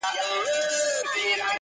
همېشه به يې دوه درې فصله کرلې-